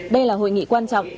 đây là hội nghị quan trọng